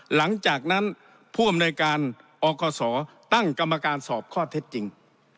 หลังจากนั้นผู้อำนวยการอคศตั้งกรรมการสอบข้อเท็จจริง